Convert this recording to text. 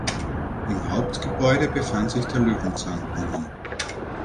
Im Hauptgebäude befand sich der Löwenzahnbrunnen.